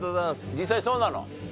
実際そうなの？